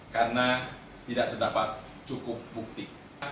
karena tidak terdapat cukup bukti